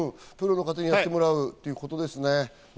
プロの方にやってもらうということですね。